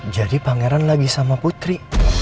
jadi pangeran lagi sama putri